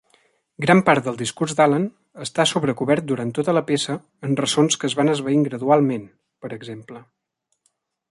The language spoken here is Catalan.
Gran part del discurs d'Alan està sobre-cobert durant tota la peça en ressons que es van esvaint gradualment, per exemple.